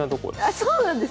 あそうなんですか。